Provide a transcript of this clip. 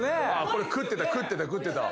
これ食ってた食ってた食ってた。